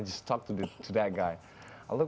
dan saya berbicara dengan orang itu